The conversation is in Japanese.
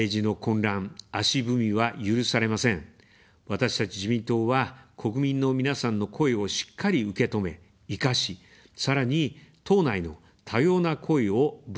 私たち自民党は、国民の皆さんの声をしっかり受け止め、活かし、さらに、党内の多様な声をぶつけ合います。